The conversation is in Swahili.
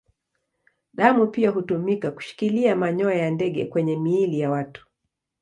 Damu pia hutumika kushikilia manyoya ya ndege kwenye miili ya watu.